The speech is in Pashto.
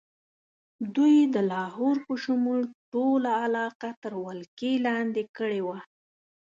دوی د لاهور په شمول ټوله علاقه تر ولکې لاندې کړې وه.